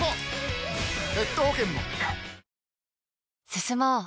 進もう。